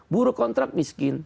buruk kontrak miskin